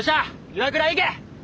岩倉行け！